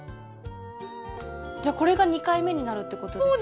じゃあこれが２回目になるってことですね？